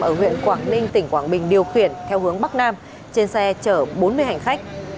ở huyện quảng ninh tỉnh quảng bình điều khiển theo hướng bắc nam trên xe chở bốn mươi hành khách